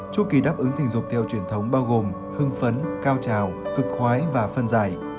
chu kỳ đáp ứng tình dục theo truyền thống bao gồm hưng phấn cao trào cực khói và phân giải